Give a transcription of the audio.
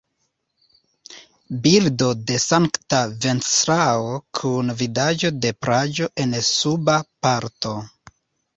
Bildo de Sankta Venceslao kun vidaĵo de Prago en suba parto.